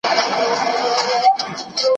ځینو یې عملي جهاد وکړ.